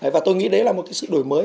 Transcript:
và tôi nghĩ đấy là một cái sự đổi mới